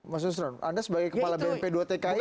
mas yusron anda sebagai kepala bnp dua tki yang juga